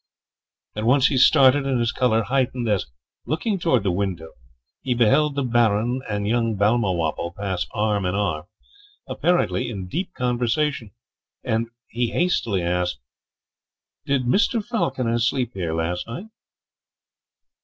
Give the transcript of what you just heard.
At once he started, and his colour heightened, as, looking toward the window, he beheld the Baron and young Balmawhapple pass arm in arm, apparently in deep conversation; and he hastily asked, 'Did Mr. Falconer sleep here last night?'